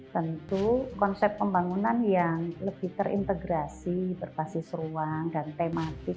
tentu konsep pembangunan yang lebih terintegrasi berbasis ruang dan tematik